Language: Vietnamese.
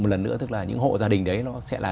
một lần nữa tức là những hộ gia đình đấy nó sẽ là